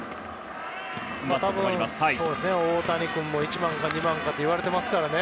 多分、大谷君も１番か２番かと言われてますからね。